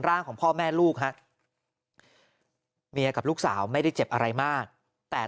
ร่างของพ่อแม่ลูกฮะเมียกับลูกสาวไม่ได้เจ็บอะไรมากแต่